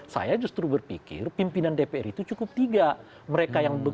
saya justru berpikir pimpinan dpr itu cukup tiga